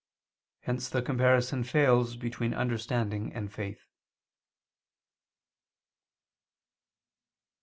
Hence the comparison fails between understanding and faith.